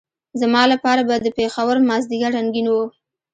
زما لپاره به د پېښور مازدیګر رنګین وو.